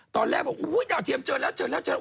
ตอนแรกบอกอุ้ยดาวเทียมเจอแล้วเจอแล้วเจอ